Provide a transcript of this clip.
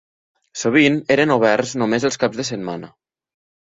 Sovint eren oberts només els caps de setmana.